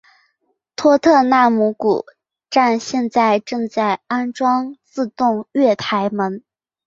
托特纳姆谷站现在正在安装自动月台门。